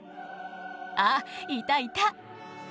あっいたいた。